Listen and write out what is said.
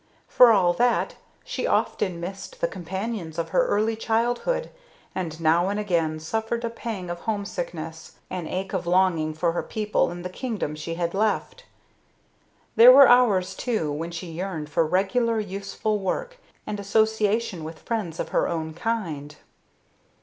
For all that, she often missed the companions of her early childhood and now and again suffered a pang of homesickness, an ache of longing for her people and the kingdom she had left. There were hours, too, when she yearned for regular, useful work and association with friends of her own kind.